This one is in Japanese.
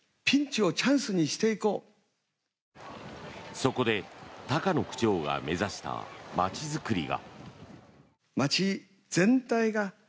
そこで高野区長が目指した街づくりが。